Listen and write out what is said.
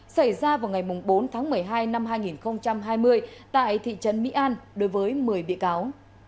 xảy ra vào ngày bốn tháng một mươi hai năm hai nghìn hai mươi tại thị trấn mỹ an đối với một mươi bị cáo